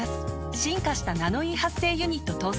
進化した「ナノイー」発生ユニット搭載。